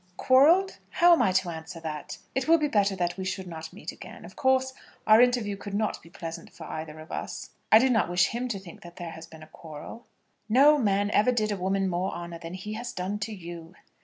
"Quarrelled? How am I to answer that? It will be better that we should not meet again. Of course, our interview could not be pleasant for either of us. I do not wish him to think that there has been a quarrel." "No man ever did a woman more honour than he has done to you."